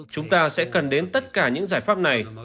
chúng ta sẽ cần đến tất cả những giải pháp này